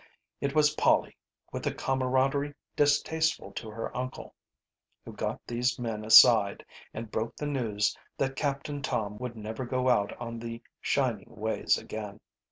It was Polly, with a camaraderie distasteful to her uncle, who got these men aside and broke the news that Captain Tom would never go out on the shining ways again.